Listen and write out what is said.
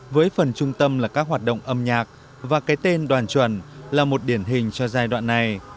với phần trung tâm là các hoạt động âm nhạc và cái tên đoàn chuẩn là một điển hình cho giai đoạn này